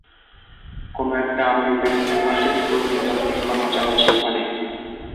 কোন একটা American university প্রত্নতাত্ত্বিক খনন চালাচ্ছে ওখানে।